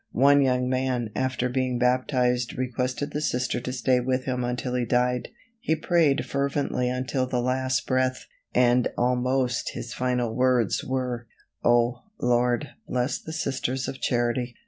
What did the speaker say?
One young man after being baptized requested the Sister to stay with him until he died. He prayed fervently until the last breath, and almost his final words were: "Oh, Lord, bless the Sisters of Charity."